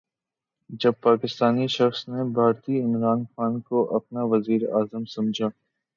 جب پاکستانی شخص نے بھارتی عمران خان کو اپنا وزیراعظم سمجھا